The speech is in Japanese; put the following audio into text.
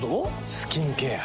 スキンケア。